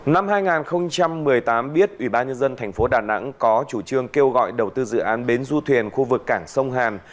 năm hai nghìn một mươi tám biết ủy ban nhân dân thành phố đà nẵng có chủ trương kêu gọi đầu tư dự án bến du thuyền khu vực cảng sông hàn